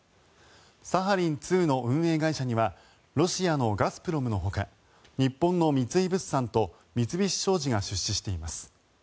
サハリン２の運営会社にはロシアのガスプロムのほか日本の三井物産と三菱商事が出資しています。